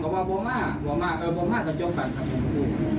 ก็บอกว่าไม่มาไม่มากก็จบกันครับผมคุณ